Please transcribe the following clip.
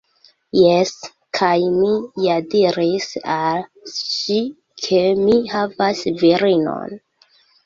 Jes! Kaj mi ja diris al ŝi ke mi havas virinon